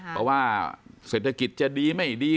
เพราะว่าเศรษฐกิจจะดีไม่ดี